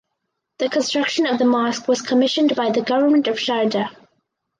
The construction of the mosque was commissioned by The Government of Sharjah.